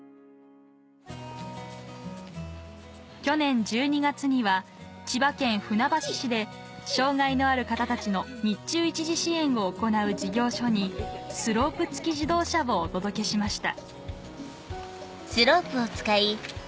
去年１２月には千葉県船橋市で障がいのある方たちの日中一時支援を行う事業所にスロープ付き自動車をお届けしました